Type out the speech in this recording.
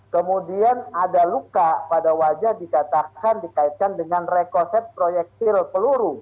kemudian ada luka pada wajah dikatakan dikaitkan dengan rekoset proyektil peluru